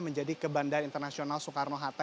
menjadi ke bandara internasional soekarno hatta